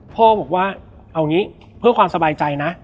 พ่อบอกว่าเอางี้เพื่อความสบายใจนะ